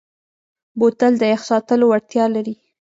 بوتل د یخ ساتلو وړتیا لري.